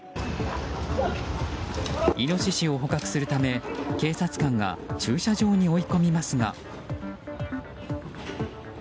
イノシシを捕獲するため警察官が駐車場に追い込みますが。